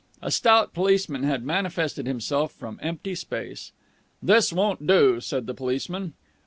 A stout policeman had manifested himself from empty space. "This won't do!" said the policeman.